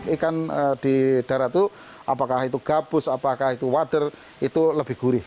ikan di darat itu apakah itu gabus apakah itu wader itu lebih gurih